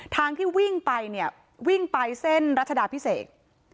ทางที่วิ่งไปเนี่ยวิ่งไปเส้นรัชดาพิเศษ